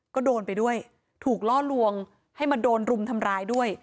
ก็โดนไปด้วยถูกล่อลวงให้มาโดนรุมทำร้ายด้วย